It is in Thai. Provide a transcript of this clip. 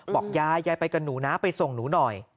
บอกยายยายไปกับหนูนะไปส่งหนูหน่อย